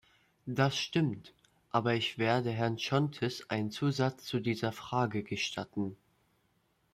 Das stimmt, aber ich werde Herrn Chountis einen Zusatz zu dieser Frage gestatten.